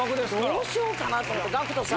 どうしようかなと思ってＧＡＣＫＴさん